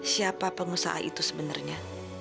siapa pengusaha itu sebenernya